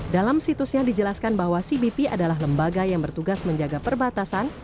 dalam situsnya dijelaskan bahwa cbp adalah lembaga yang bertugas menjaga perbatasan